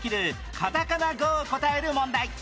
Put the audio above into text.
カタカナ語を答える問題